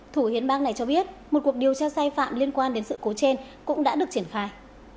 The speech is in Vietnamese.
thủ hiến bang này cho biết một cuộc điều tra sai phạm liên quan đến sự cố trên cũng đã được triển khai